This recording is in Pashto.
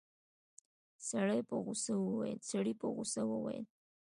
سړي په غوسه وويل.